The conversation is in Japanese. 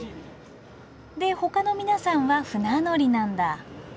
でほかの皆さんは船乗りなんだ。